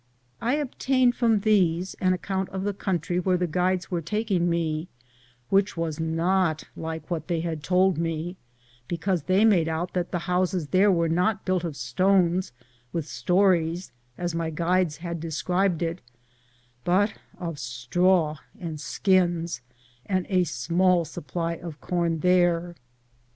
I obtained from these an account of the country where the guides were taking me, which was not like what they had told me, because these made out that the houses there were not built of stones, with stories, as my guides had described it, but of straw am Google THE JOURNEY OP CORONADO and skins, and a small supply of corn there.